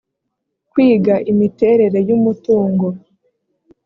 kwiga imiterere y umutungo